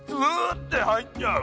ッて入っちゃう。